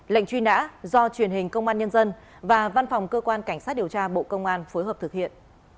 lệnh truy nã do truyền hình công an nhân dân và văn phòng cơ quan cảnh sát điều tra bộ công an phối hợp thực hiện